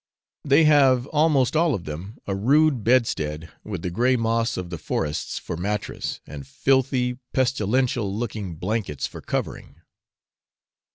They have almost all of them a rude bedstead, with the grey moss of the forests for mattress, and filthy, pestilential looking blankets, for covering.